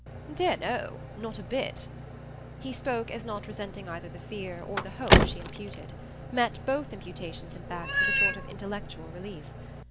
"Dear no not a bit." He spoke as not resenting either the fear or the hope she imputed; met both imputations in fact with a sort of intellectual relief.